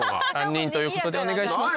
３人ということでお願いします。